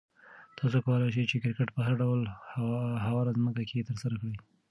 تاسو کولای شئ چې کرکټ په هر ډول هواره ځمکه کې ترسره کړئ.